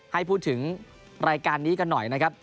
ให้พูดถึงรายการนี้กันหน่อยนะครับ